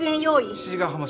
七里ヶ浜署